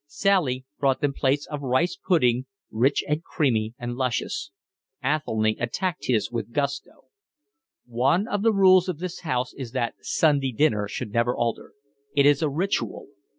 Sally brought them plates of rice pudding, rich, creamy, and luscious. Athelny attacked his with gusto. "One of the rules of this house is that Sunday dinner should never alter. It is a ritual.